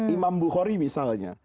imam bukhori misalnya